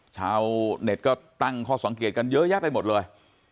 ชาวเน็ตก็ตั้งข้อสังเกตกันเยอะแยะไปหมดเลย